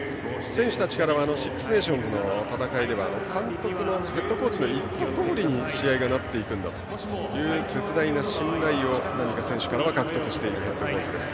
選手たちからはシックス・ネーションズの戦いでは監督の、ヘッドコーチの言ったとおりに試合がなっていくんだという絶大な信頼を獲得しているコーチです。